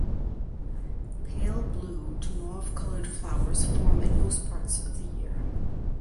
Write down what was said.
Pale blue to mauve coloured flowers form in most parts of the year.